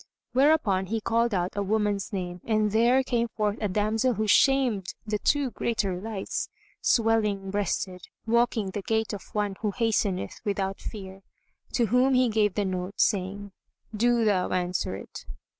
Whereupon he called out a woman's name, and there came forth a damsel who shamed the two greater lights; swelling breasted, walking the gait of one who hasteneth without fear, to whom he gave the note, saying, "Do thou answer it."